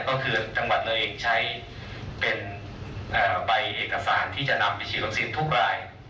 ก็คือจังหวัดเลยใช้เป็นใบเอกสารที่จะนำไปฉีดวัคซีนทุกราย